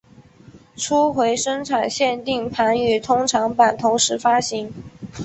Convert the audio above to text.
初回生产限定盘与通常版同时发行。